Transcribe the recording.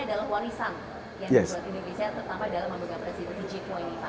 terutama dalam memegang presiden ruzeiko ini pak